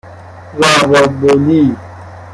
راوبولی